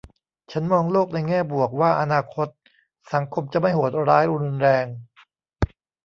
ฉันมองโลกในแง่บวกว่าอนาคตสังคมจะไม่โหดร้ายรุนแรง